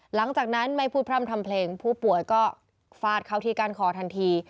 หลังจากนั้นไม่พูดพร่ำทำเพลงผู้ป่วยก็ฟาดเข้าที่ก้านคอทันที